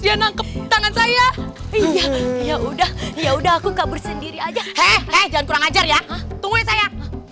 dia nangkep tangan saya iya ya udah ya udah aku kabur sendiri aja jangan kurang ajar ya tunggu saya